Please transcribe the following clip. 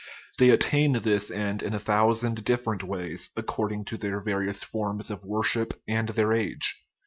They attain this end in a thousand different ways, according to their various forms of wor ship and their age.